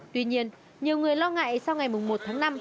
tuy nhiên nhiều người lo ngại sau ngày một tháng năm